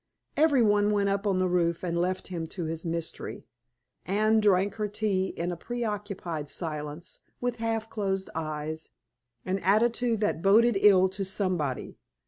Every one went up on the roof and left him to his mystery. Anne drank her tea in a preoccupied silence, with half closed eyes, an attitude that boded ill to somebody.